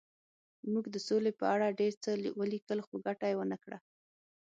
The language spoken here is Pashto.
موږ د سولې په اړه ډېر څه ولیکل خو ګټه یې ونه کړه